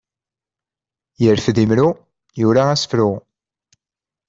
Yerfed imru, yura asefru.